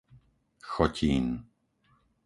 Chotín